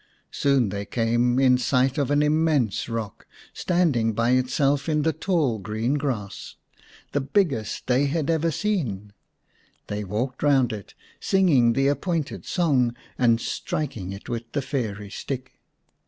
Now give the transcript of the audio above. Soon they came in sight of an immense rock standing by itself in the tall green grass, the biggest they had ever seen. They walked round it, singing the ap pointed song and striking it with the fairy stick.